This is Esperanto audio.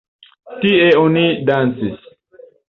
Tie oni dancis.